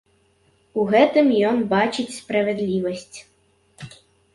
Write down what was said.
У гэтым ён бачыць справядлівасць.